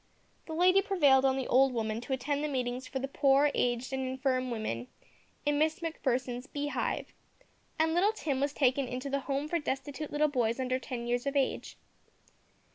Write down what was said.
The lady prevailed on the old woman to attend the meetings for poor, aged, and infirm women in Miss Macpherson's "Beehive," and little Tim was taken into the "Home for Destitute Little Boys under ten years of age."